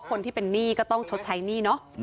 คนที่เป็นหนี้ก็ต้องชดใช้หนี้เนอะ